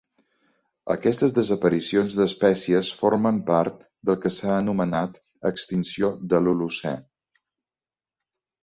Aquestes desaparicions d'espècies formen part del que s'ha anomenat extinció de l'Holocè.